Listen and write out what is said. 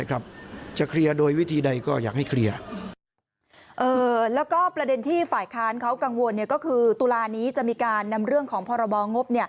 แล้วก็ประเด็นที่ฝ่ายค้านเขากังวลก็คือตุลานี้จะมีการนำเรื่องของพรบงบ